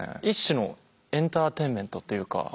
一種のエンターテインメントっていうか。